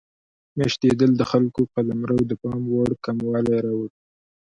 میشتېدل د خلکو قلمرو د پام وړ کموالی راوړ.